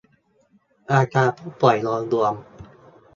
อาการผู้ป่วยโดยรวม